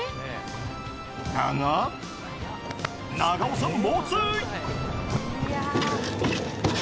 だが、永尾さん、猛追。